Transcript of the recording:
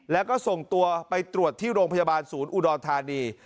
แล้วก็ส่งตัวไปตรวจที่โรงพยาบาลศูนย์อุดรธานี